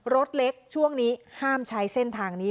รถเล็กช่วงนี้ห้ามใช้เส้นทางนี้